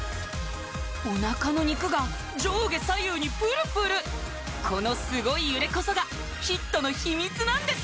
おなかの肉が上下左右にプルプルこのすごい揺れこそがヒットの秘密なんです